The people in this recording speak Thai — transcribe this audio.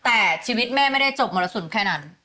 แต่ชีวิตแม่ไม่ได้จบมรสุมแค่นั้น